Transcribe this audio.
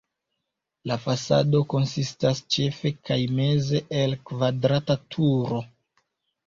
La fasado konsistas ĉefe kaj meze el kvadrata turo.